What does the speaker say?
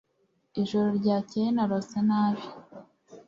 Ijoro ryakeye narose nabi